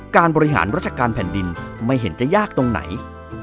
บริหารราชการแผ่นดินไม่เห็นจะยากตรงไหน